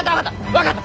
分かった！